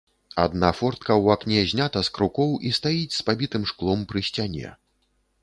Адна фортка ў акне знята з крукоў і стаіць з пабітым шклом пры сцяне.